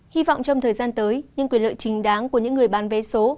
hy vọng trong thời gian tới nhưng quyền lợi chính đáng của những người bán vé số